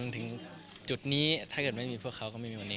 ถ้าไม่มีพวกเขาก็ไม่มีวันนี้